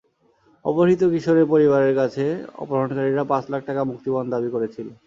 অপহৃত কিশোরের পরিবারের কাছে অপহরণকারীরা পাঁচ লাখ টাকা মুক্তিপণ দাবি করেছিল।